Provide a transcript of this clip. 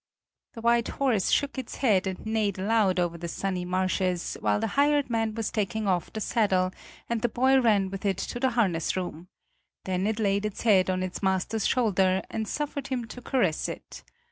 The white horse shook its head and neighed aloud over the sunny marshes, while the hired man was taking off the saddle and the boy ran with it to the harness room; then it laid its head on its master's shoulder and suffered him to caress it.